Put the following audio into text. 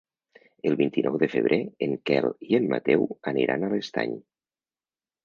El vint-i-nou de febrer en Quel i en Mateu aniran a l'Estany.